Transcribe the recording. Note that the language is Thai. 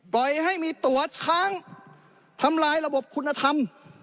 ปล่อยให้มีตัวช้างทำลายระบบคุณธรรม